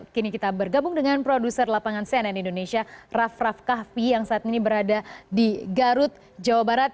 kini kita bergabung dengan produser lapangan cnn indonesia raff raff kahvi yang saat ini berada di garut jawa barat